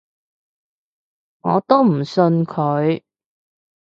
我都唔信佢